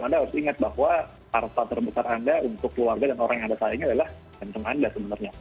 anda harus ingat bahwa harta terbesar anda untuk keluarga dan orang yang ada sayangnya adalah jantung anda sebenarnya